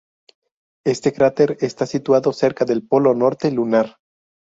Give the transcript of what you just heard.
Este cráter está situado cerca del Polo Norte lunar.